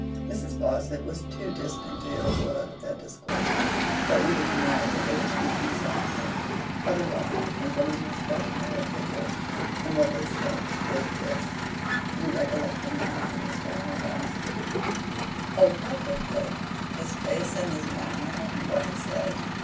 Mrs. Sparsit was too distant to hear a word of their discourse, or even to know that they were speaking softly, otherwise than from the expression of their figures; but what they said was this: 'You recollect the man, Mr. Harthouse?' 'Oh, perfectly!' 'His face, and his manner, and what he said?